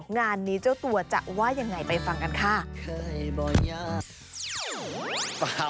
งานนี้เจ้าตัวจะว่ายังไงไปฟังกันค่ะ